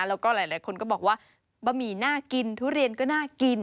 แล้วก็หลายคนก็บอกว่าบะหมี่น่ากินทุเรียนก็น่ากิน